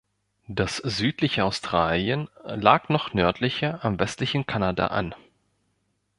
Das südliche Australien lag noch nördlicher am westlichen Kanada an.